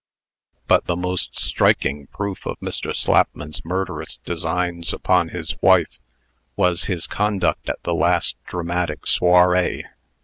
But the most striking proof of Mr. Slapman's murderous designs upon his wife, was his conduct at the last dramatic soirée.